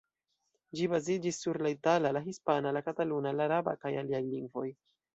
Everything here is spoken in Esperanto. Ĝi baziĝis sur la itala, la hispana, la kataluna, la araba kaj aliaj lingvoj.